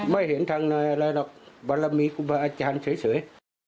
ไม่เห็นทางในอะไรหรอกสิว่าเมื่อราวมีประอาจารย์เฉย